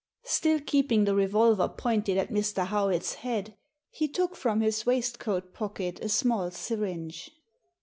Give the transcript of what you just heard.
Still keeping the revolver pointed at Mr. Howitt's head, he took from his waistcoat pocket a small syringe.